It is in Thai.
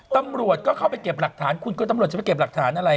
ตำรวจเข้าไปเก็บหลักฐานคุณก็จะมาเก็บหลักฐานอะไร